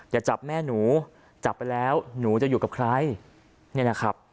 อย่าจับแม่หนูจับไปแล้วหนูจะอยู่กับใครเนี่ยนะครับ